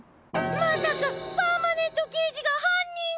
まさかパーマネントけいじがはんにん。